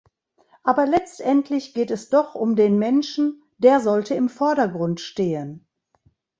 Aber letztendlich geht es doch um den Menschen, der sollte im Vordergrund stehen!